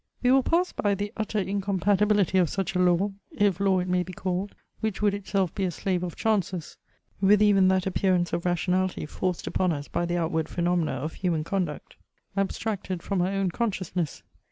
We will pass by the utter incompatibility of such a law if law it may be called, which would itself be a slave of chances with even that appearance of rationality forced upon us by the outward phaenomena of human conduct, abstracted from our own consciousness.